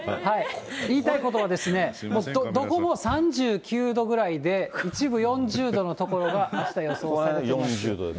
言いたいことは、どこも３９度ぐらいで、一部４０度の所が、あした予想されています。